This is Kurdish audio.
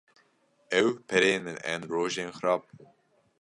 Ew pereyên min ên rojên xerab bûn.